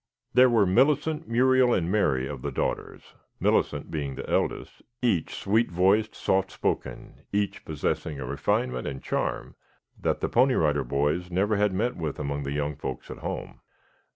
There were Millicent, Muriel and Mary of the daughters, Millicent being the eldest, each sweet voiced, soft spoken, each possessing a refinement and charm that the Pony Rider Boys never had met with among the young folks at home.